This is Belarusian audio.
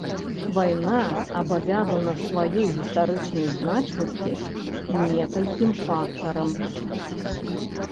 Вайна абавязана сваёй гістарычнай значнасці некалькім фактарам.